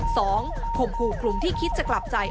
คมครูกลุ่มที่คิดจะกลับใจ